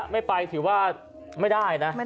ไม่ไปถือว่า